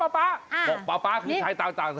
บอกป๊าคือชายต่างชาติ